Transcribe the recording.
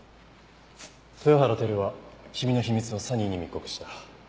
豊原輝は君の秘密をサニーに密告した。